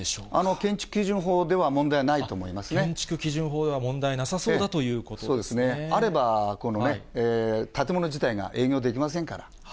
建築基準法では問題ないと思建築基準法では問題なさそうあれば、建物自体が営業できませんから。